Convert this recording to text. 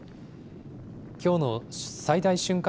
きょうの最大瞬間